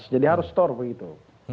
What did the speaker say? jadi harus setor begitu